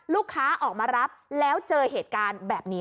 ลูกค้าออกมารับแล้วเจอเหตุการณ์แบบนี้